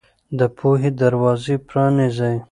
د پوهې دروازې پرانيزئ.